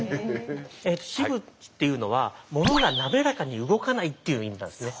「渋」っていうのはものがなめらかに動かないっていう意味なんですね。